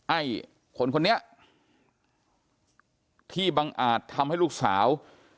ไอ้คนคนนี้ที่บังอาจทำให้ลูกสาว